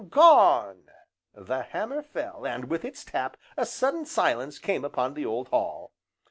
gone!" The hammer fell, and with its tap a sudden silence came upon the old hall.